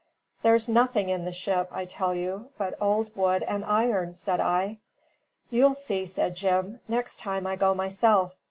"There is nothing in the ship, I tell you, but old wood and iron!" said I. "You'll see," said Jim. "Next time I go myself.